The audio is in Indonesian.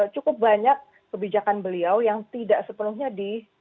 cukup banyak kebijakan beliau yang tidak sepenuhnya di